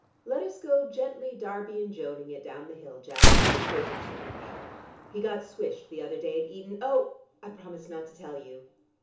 "Let us go gently Darby and Joaning it down the hill, Jack, and watch David skipping about. He got swished the other day at Eton oh, I promised not to tell you!"